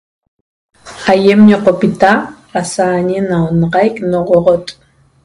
Aiem yoqopita asa jañe ena onaxaiq noxoxot